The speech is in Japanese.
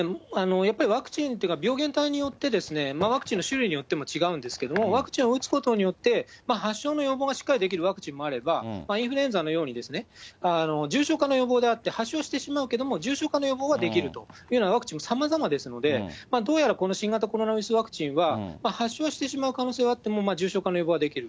やっぱりワクチンっていうか、病原体によって、ワクチンの種類によっても違うんですけれども、ワクチンを打つことによって、発症の予防がしっかりできるワクチンもあれば、インフルエンザのように、重症化の予防であって、発症してしまうけども、重症化の予防はできるという、ワクチンも、さまざまですので、どうやらこの新型コロナウイルスワクチンは、発症はしてしまう可能性はあっても、重症化の予防はできる。